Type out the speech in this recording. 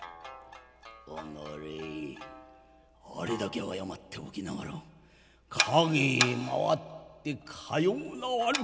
「おのれあれだけ謝っておきながら陰へ回ってかような悪口三昧。